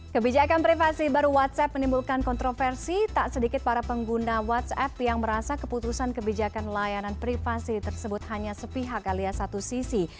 kebijakan privasi baru whatsapp menimbulkan kontroversi tak sedikit para pengguna whatsapp yang merasa keputusan kebijakan layanan privasi tersebut hanya sepihak alias satu sisi